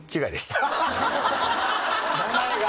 名前が。